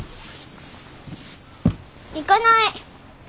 行かない！